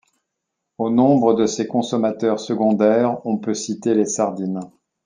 Au nombre de ces consommateurs secondaire on peut citer les sardines.